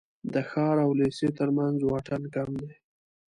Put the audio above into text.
د ښار او لېسې تر منځ واټن کم دی.